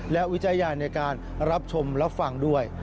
และวิจารณญาณในการรับชมรับฟังด้วย